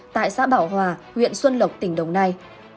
tại xã bảo hòa huyện xuân lộc tỉnh đồng nai